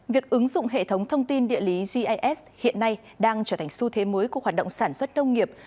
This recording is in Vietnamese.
việc ứng dụng hệ thống thông tin địa lý gis hiện nay đang trở thành xu thế mới của hoạt động sản xuất nông nghiệp